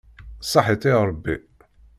Ṣaḥit i Ṛebbi.